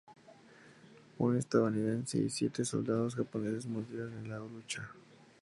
Un estadounidense y siete soldados japoneses murieron en la lucha.